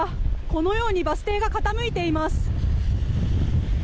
このようにバス停が傾いています。